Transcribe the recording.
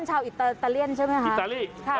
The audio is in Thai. ขอบคุณมากค่ะ